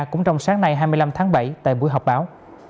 cũng trong sáng nay hai mươi năm tháng bảy tại buổi họp báo